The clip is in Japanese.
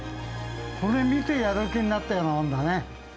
これ見てやる気になったようなもんだね。